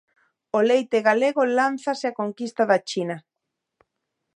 O leite galego lánzase á conquista da China.